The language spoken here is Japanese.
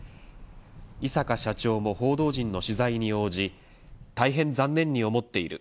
井阪社長も報道陣の取材に応じ大変残念に思っている。